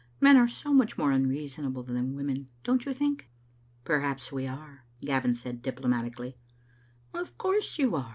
Men are so much more unreasonable than women, don't you think?" "Perhaps we are," Gavin said, diplomatically. "Of course you are.